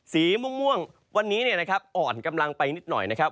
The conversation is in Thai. สีม่วงวันนี้นะครับอ่อนกำลังไปนิดหน่อยนะครับ